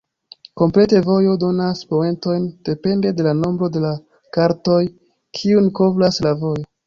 Kompleta vojo donas poentojn depende de la nombro de kartoj, kiujn kovras la vojo.